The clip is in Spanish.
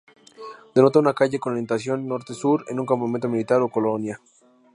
Denota una calle con orientación norte-sur en un campamento militar o colonia.